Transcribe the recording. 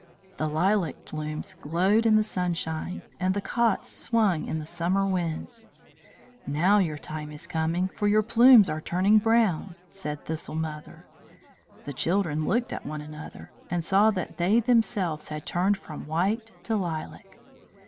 The lilac plumes glowed in the sunshine, and the cots swung in the summer winds. "Now your time is coming, for your plumes are turning brown," said Thistle Mother; the children looked at one another, and saw that they themselves had turned from white to lilac.